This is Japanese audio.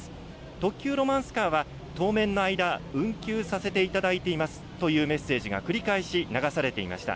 特急ロマンスカーは当面の間、運休させていただいていますというメッセージが繰り返し流されていました。